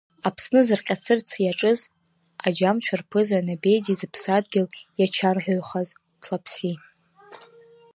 Аԥсны зырҟьацырц иаҿыз аџьамцәа рԥыза Набеди зыԥсадгьыл иачарҳәаҩхаз Ҭлаԥси.